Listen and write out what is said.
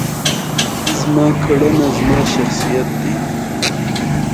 کچالو له اوبو سره ښه پخېږي